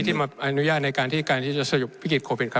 ที่มาอนุญาตในการที่จะสยุบพิกฤตโควิดครับ